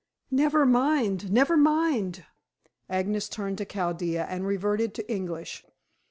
"Never mind; never mind." Agnes turned to Chaldea and reverted to English.